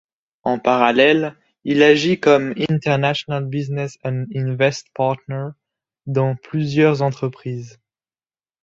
En parallèle, il agit comme International Business & Invest Partner dans plusieurs entreprises.